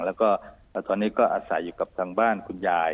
แล้วก็ตอนนี้ก็อาศัยอยู่กับทางบ้านคุณยาย